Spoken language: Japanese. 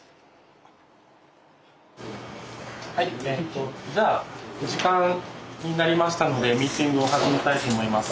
はいえっとじゃあ時間になりましたのでミーティングを始めたいと思います。